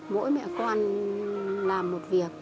mỗi mẹ con làm một việc